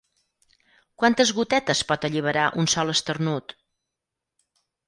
Quantes gotetes pot alliberar un sol esternut?